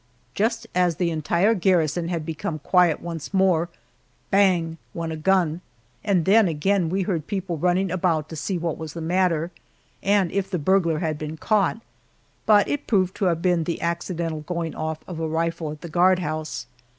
Just as the entire garrison had become quiet once more bang! went a gun, and then again we heard people running about to see what was the matter, and if the burglar had been caught. But it proved to have been the accidental going off of a rifle at the guardhouse.